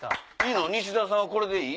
西澤さんはこれでいい？